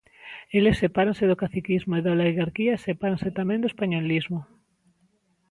Eles sepáranse do caciquismo e da oligarquía e sepáranse tamén do españolismo.